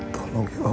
tolong ya allah